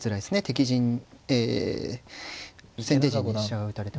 敵陣先手陣に飛車打たれてますから。